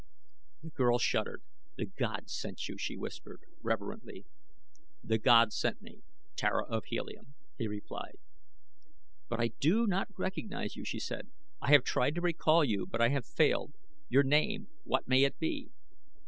The girl shuddered. "The Gods sent you," she whispered reverently. "The Gods sent me, Tara of Helium," he replied. "But I do not recognize you," she said. "I have tried to recall you, but I have failed. Your name, what may it be?"